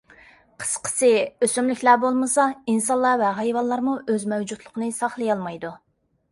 قىسقىسى، ئۆسۈملۈكلەر بولمىسا، ئىنسانلار ۋە ھايۋانلارمۇ ئۆز مەۋجۇتلۇقىنى ساقلىيالمايدۇ.